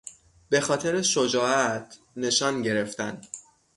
به خاطر شجاعت نشان گرفتن